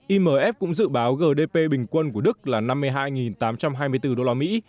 imf cũng dự báo gdp bình quân của đức là năm mươi hai tám trăm hai mươi bốn đô la mỹ